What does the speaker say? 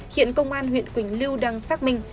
hiện công an huyện quỳnh lưu đang xác minh